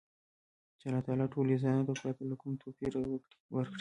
چـې اللـه تعـالا ټـولـو انسـانـانـو تـه ،پـرتـه لـه کـوم تـوپـيره ورکـړى.